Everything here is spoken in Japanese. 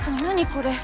これ。